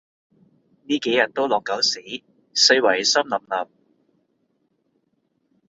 呢幾日都落狗屎，四圍濕 𣲷𣲷